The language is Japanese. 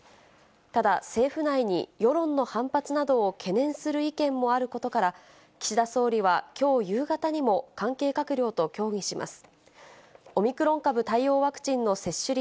ただ、政府内に世論の反発などを懸念する意見もあることから、岸田総理はきょう夕方にも、関係閣僚と協議します。